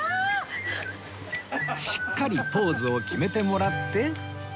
しっかりポーズを決めてもらって